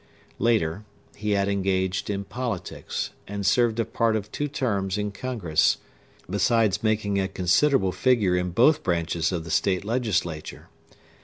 Later, he had engaged in politics, and served a part of two terms in Congress, besides making a considerable figure in both branches of the State legislature.